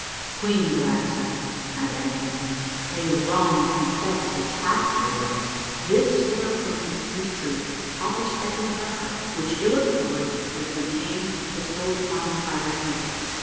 " Queen Galaxa," I added gravely, " a wrong confessed is half redressed. This fair princess, 'tis true, hath a speck in her lieart which ill accords with the name bestowed upon her by thy people.